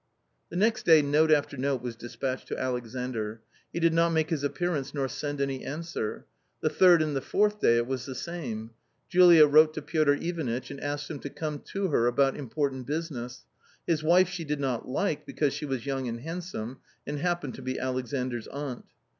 The next day note after note was despatched to Alexandr. He did not make his appearance nor send any answer. The third and the fourth day it was the same. Julia wrote to Piotr Ivanitch, and asked him to come to her about important business ; his wife she did not like, because she was young and handsome, and happened to be Alexandras aunt.